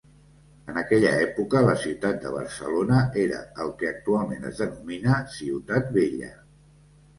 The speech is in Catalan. En aquella època la ciutat de Barcelona era el que actualment es denomina Ciutat Vella.